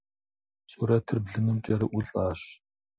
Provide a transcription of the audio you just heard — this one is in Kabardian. Сурэтыр блыным кӏэрыӏулӏащ.